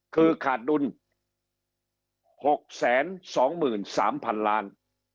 คือขาดดุล๖๒๓๐๐๐๐๐๐ล้านบาท